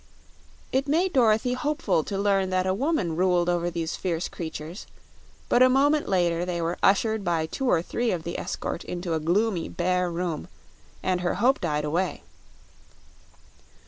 It made Dorothy hopeful to learn that a woman ruled over these fierce creatures, but a moment later they were ushered by two or three of the escort into a gloomy, bare room and her hope died away.